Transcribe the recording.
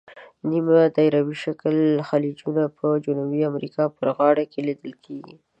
نیمه دایروي شکله خلیجونه په جنوبي امریکا په غاړو کې لیدل کیږي.